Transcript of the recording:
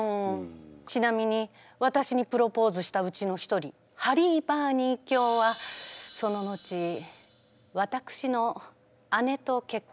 ちなみわたしにプロポーズしたうちの１人ハリー・バーニー卿はその後あちゃだね。